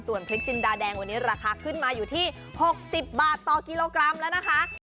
พริกจินดาแดงวันนี้ราคาขึ้นมาอยู่ที่๖๐บาทต่อกิโลกรัมแล้วนะคะ